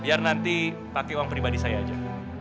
biar nanti pakai uang pribadi saya aja